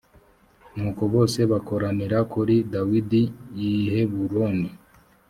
nuko bose bakoranira kuri dawidi i heburoni.